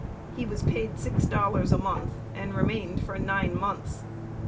He was paid six dollars a month, and remained for nine months.